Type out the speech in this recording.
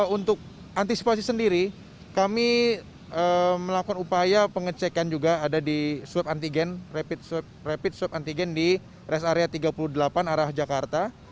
untuk antisipasi sendiri kami melakukan upaya pengecekan juga ada di swab antigen rapid swab antigen di rest area tiga puluh delapan arah jakarta